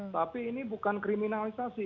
tapi ini bukan kriminalisasi